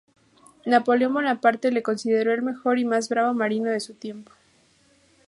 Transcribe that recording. Napoleón Bonaparte le consideró el mejor y más bravo marino de su tiempo.